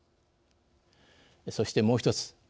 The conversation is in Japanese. そしてもう一つ。